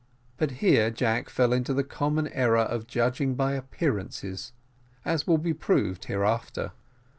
But here Jack fell into the common error of judging by appearances, as will be proved hereafter.